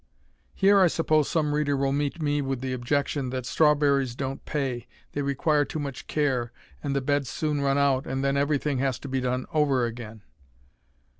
Here I suppose some reader will meet me with the objection that "strawberries don't pay. They require too much care, and the beds soon run out, and then everything has to be done over again."